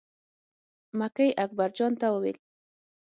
مکۍ اکبر جان ته وویل.